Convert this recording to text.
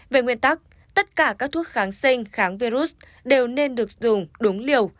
về nguyên tắc tất cả các thuốc kháng sinh kháng virus đều nên được dùng đúng liều